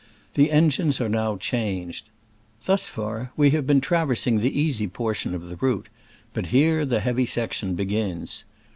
The engines are now changed. Thus far we have been traversing the easy portion of the route, but here the heavy section begins.